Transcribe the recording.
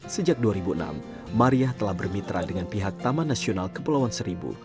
sejak dua ribu enam maria telah bermitra dengan pihak taman nasional kepulauan seribu